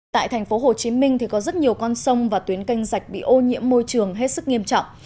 tại thành phố hồ chí minh thì có rất nhiều con sông và tuyến canh rạch bị ô nhiễm môi trường hết sức nghiêm trọng